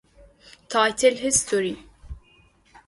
Title history